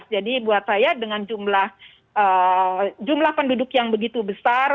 jadi buat saya dengan jumlah penduduk yang begitu besar